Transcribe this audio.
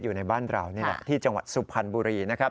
อยู่ในบ้านเรานี่แหละที่จังหวัดสุพรรณบุรีนะครับ